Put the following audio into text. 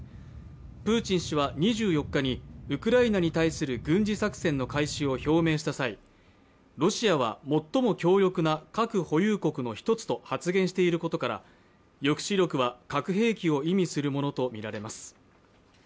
プーチン氏は２４日にウクライナに対する軍事作戦の開始を表明した際、ロシアは最も強力な核保有国の一つと発言していることから抑止力は核兵器を意味するものとみられます。